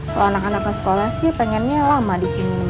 kalau anak anaknya sekolah sih pengennya lama disini